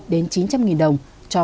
năm trăm linh đến chín trăm linh đồng cho